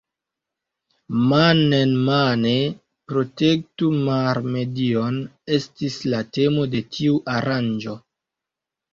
Man-en-mane protektu mar-medion estis la temo de tiu aranĝo.